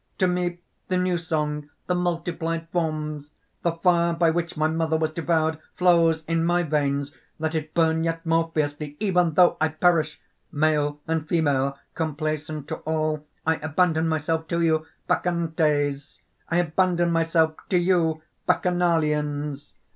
To me the new song, the multiplied forms! "The fire by which my mother was devoured, flows in my veins! Let it burn yet more fiercely, even though I perish! "Male and female, complaisant to all, I abandon myself to you, Bacchantes! I abandon myself to you, Bacchanalians!